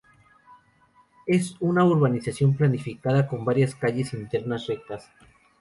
Es una urbanización planificada con varias calles internas rectas.